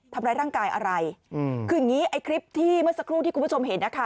ทำร้ายร่างกายอะไรคืออย่างงี้ไอ้คลิปที่เมื่อสักครู่ที่คุณผู้ชมเห็นนะคะ